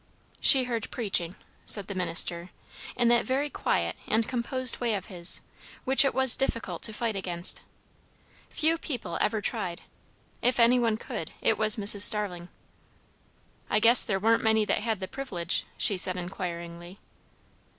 "She heard preaching," said the minister, in that very quiet and composed way of his, which it was difficult to fight against. Few people ever tried; if any one could, it was Mrs. Starling. "I guess there warn't many that had the privilege?" she said inquiringly.